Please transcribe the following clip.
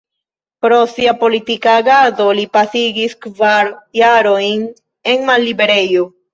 Pro sia politika agado, li pasigis kvar jarojn en malliberejo.